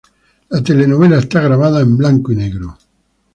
La telenovela está grabada en blanco y negro.